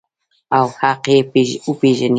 او حق یې وپیژني.